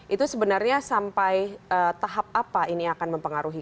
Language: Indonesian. itu sebenarnya sampai tahap apa ini akan mempengaruhi